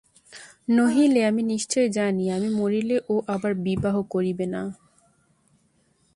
নহিলে, আমি নিশ্চয় জানি, আমি মরিলে ও আর বিবাহই করিবে না।